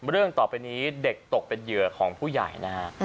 เรื่องต่อไปนี้เด็กตกเป็นเหยื่อของผู้ใหญ่นะฮะ